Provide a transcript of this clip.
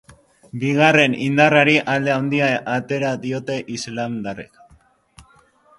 Bigarren indarrari alde handia atera diote islamdarrek.